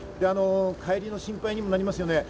帰りの心配もありますよね。